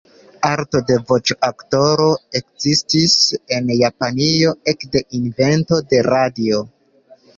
Arto de voĉoaktoro ekzistis en Japanio ekde invento de radio.